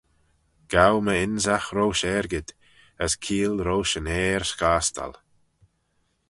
Gow my ynsagh roish argid, as keeayl roish yn airh s'costal.